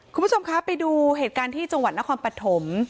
คุณผู้ชมคะไปดูเหตุการณ์ที่จังหวัดนครปฐม